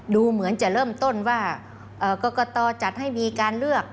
ดูเหมือนจะเริ่มต้นว่ากรกตจัดให้มีการเลือก